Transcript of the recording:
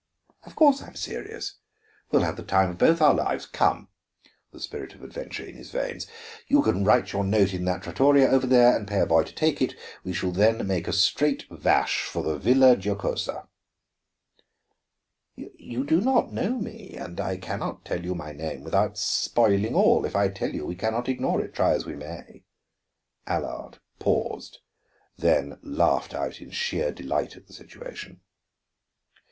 "Of course I am serious. We will have the time of both our lives. Come," the spirit of adventure in his veins, "you can write your note in that trattoria over there, and pay a boy to take it. We shall then make a straight dash for Villa Giocosa." "You do not know me, and I can not tell you my name without spoiling all. If I tell you, we can not ignore it, try as we may." Allard paused, then laughed out in sheer delight at the situation.